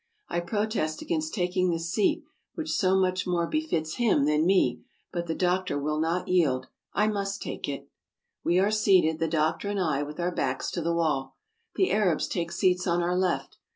I protest against taking this seat, which so much more befits him than me, but the doctor will not yield — I must take it. We are seated, the doctor and I, with our backs to the wall. The Arabs take seats on our left.